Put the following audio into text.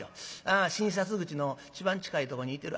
「あ診察口の一番近いところにいてる